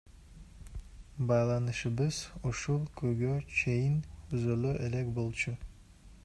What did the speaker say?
Байланышыбыз ушул күнгө чейин үзүлө элек болчу.